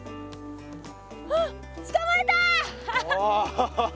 あっつかまえた！ハハハ。